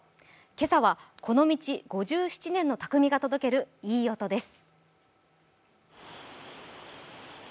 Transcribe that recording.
今朝はこの道５７年の匠が届けるいい音です。